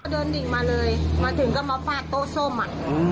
เดินดิ่งมาเลยมาถึงก็มาฟาดโต๊ะส้มอ่ะ